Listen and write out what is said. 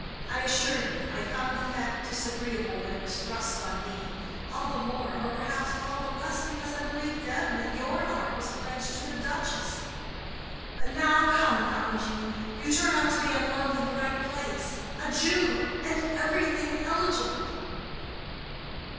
I assure you I found the fact disagreeable when it was thrust on me—all the more, or perhaps all the less, because I believed then that your heart was pledged to the duchess. But now, confound you! you turn out to be in love in the right place—a Jew—and everything eligible."